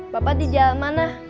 bapak di jalan mana